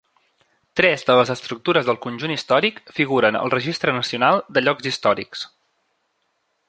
Tres de les estructures del conjunt històric figuren al Registre Nacional de Llocs Històrics.